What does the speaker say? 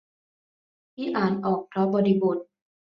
ที่อ่านออกเพราะบริบท